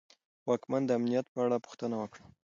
واکمن د امنیت په اړه پوښتنه وکړه.